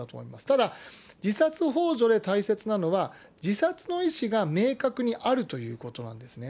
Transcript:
ただ自殺ほう助で大切なのは、自殺の意思が明確にあるということなんですね。